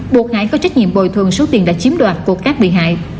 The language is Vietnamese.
buộc hải có trách nhiệm bồi thường số tiền đã chiếm đoạt của các bị hại